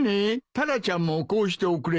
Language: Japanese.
タラちゃんもこうしておくれよ。